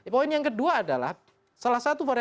poin yang kedua adalah salah satu varian